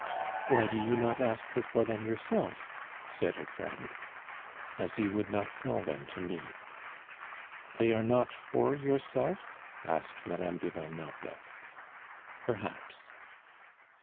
"Why do you not ask her for them yourself?" said her friend. "Asie would not sell them to me." "They are not for yourself?" asked Madame du Val Noble. "Perhaps."